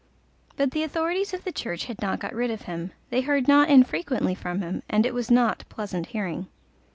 But the authorities of the church had not got rid of him; they heard not infrequently from him, and it was not pleasant hearing.